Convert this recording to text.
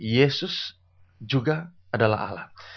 yesus juga adalah allah